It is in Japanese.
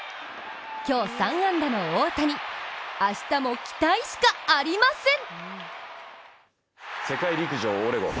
今日３安打の大谷明日も期待しかありません。